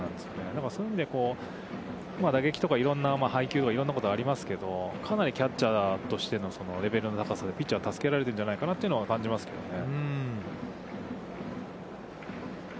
だから、そういう意味で、打撃とかいろんな配球とか、いろんなことがありますけど、かなりキャッチャーとしてのレベルの高さでピッチャーは助けられてるんじゃないかなというのは感じますよね。